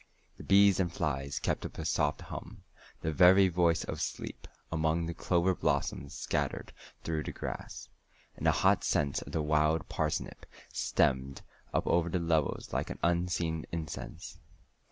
The bees and flies kept up a soft hum, the very voice of sleep, among the clover blossoms scattered through the grass, and the hot scents of the wild parsnip steamed up over the levels like an unseen incense.